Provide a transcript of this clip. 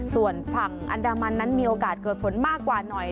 ส่วนฝั่งอันดามันนั้นมีโอกาสเกิดฝนมากกว่าหน่อย